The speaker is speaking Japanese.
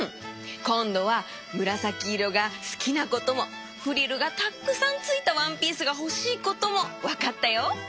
こんどはむらさきいろがすきなこともフリルがたっくさんついたワンピースがほしいこともわかったよ。